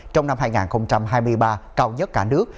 trong năm hai nghìn hai mươi ba cao nhất cả nước